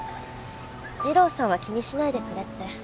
治郎さんは気にしないでくれって。